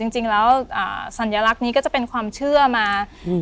จริงแล้วสัญลักษณ์นี้ก็จะเป็นความเชื่อมาอืม